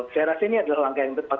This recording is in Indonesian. feras ini adalah langkah yang tepat